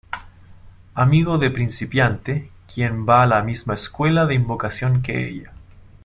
Amigo de Principiante quien va a la misma escuela de invocación que ella.